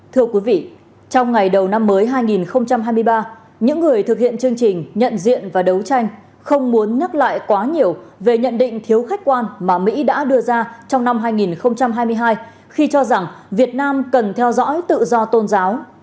thưa quý vị trong ngày đầu năm mới hai nghìn hai mươi ba những người thực hiện chương trình nhận diện và đấu tranh không muốn nhắc lại quá nhiều về nhận định thiếu khách quan mà mỹ đã đưa ra trong năm hai nghìn hai mươi hai khi cho rằng việt nam cần theo dõi tự do tôn giáo